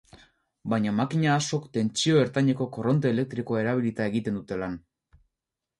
Baina makina askok tentsio ertaineko korronte elektrikoa erabilita egiten dute lan.